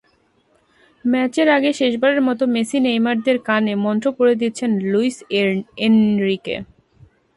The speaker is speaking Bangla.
ম্যাচের আগে শেষবারের মতো মেসি-নেইমারদের কানে মন্ত্র পড়ে দিচ্ছেন লুইস এনরিকে।